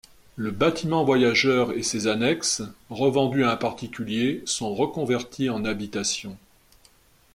Le bâtiment voyageurs et ses annexes, revendus à un particulier, sont reconvertis en habitation.